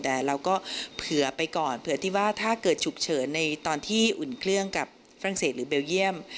แต่เราก็เผื่อไปก่อนเผื่อที่ว่าถ้าเกิดฉุกเฉินในตอนที่อุ่นเครื่องกับฝรั่งเศสหรือเบลเยี่ยม